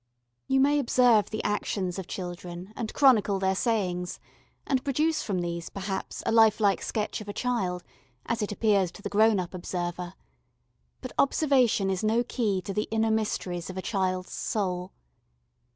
You may observe the actions of children and chronicle their sayings, and produce from these, perhaps, a lifelike sketch of a child, as it appears to the grown up observer; but observation is no key to the inner mysteries of a child's soul.